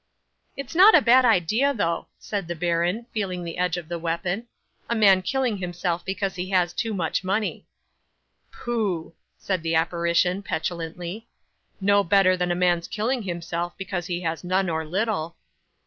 '"It's not a bad idea though," said the baron, feeling the edge of the weapon; "a man killing himself because he has too much money." '"Pooh!" said the apparition, petulantly, "no better than a man's killing himself because he has none or little."